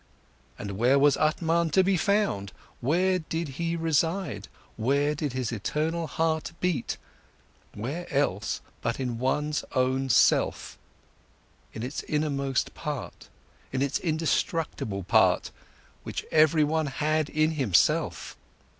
And where was Atman to be found, where did He reside, where did his eternal heart beat, where else but in one's own self, in its innermost part, in its indestructible part, which everyone had in himself?